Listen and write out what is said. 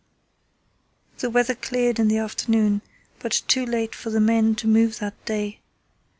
The weather cleared in the afternoon, but too late for the men to move that day.